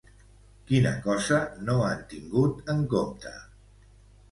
Quina cosa no han tingut en compte?